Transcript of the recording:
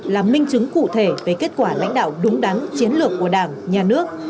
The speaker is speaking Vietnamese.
là minh chứng cụ thể về kết quả lãnh đạo đúng đắn chiến lược của đảng nhà nước